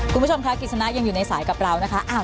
คุณผู้ชมค่ะกิจสนะยังอยู่ในสายกับเรานะคะ